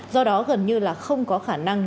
do đó gần như là không có khả năng